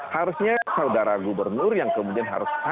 harusnya saudara gubernur yang kemudian harus